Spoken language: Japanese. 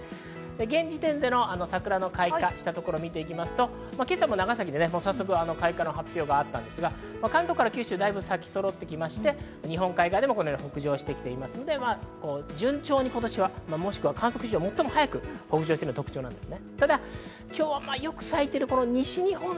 現時点での桜の開花したところを見ていきますと、今朝も長崎で開花の発表があったんですが、関東から九州、咲きそろってきまして、日本海側でも北上してきていますので、順調に今年は、観測史上最も早く咲くのが特徴です。